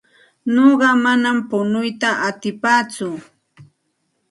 Nuqa manam punuyta atipaatsu.